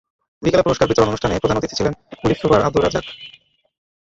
বিকেলে পুরস্কার বিতরণ অনুষ্ঠানে প্রধান অতিথি ছিলেন পুলিশ সুপার আবদুর রাজ্জাক।